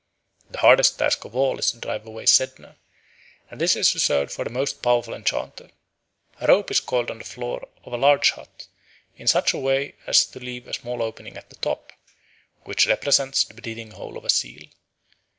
The hardest task of all is to drive away Sedna, and this is reserved for the most powerful enchanter. A rope is coiled on the floor of a large hut in such a way as to leave a small opening at the top, which represents the breathing hole of a seal.